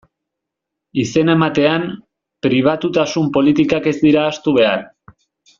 Izena ematean, pribatutasun politikak ez dira ahaztu behar.